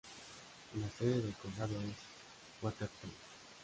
La sede del condado es Watertown.